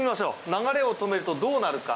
流れを止めるとどうなるか？